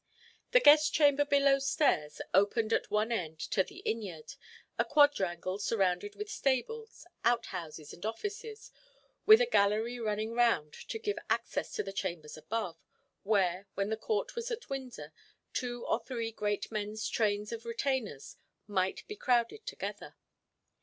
The guest chamber below stairs opened at one end into the innyard, a quadrangle surrounded with stables, outhouses, and offices, with a gallery running round to give access to the chambers above, where, when the Court was at Windsor, two or three great men's trains of retainers might be crowded together.